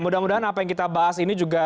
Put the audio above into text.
mudah mudahan apa yang kita bahas ini juga